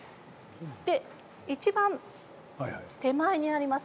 いちばん手前にあります